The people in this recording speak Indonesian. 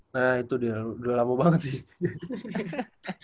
nah itu dia udah lama banget sih